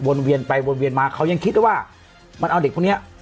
เวียนไปวนเวียนมาเขายังคิดว่ามันเอาเด็กพวกเนี้ย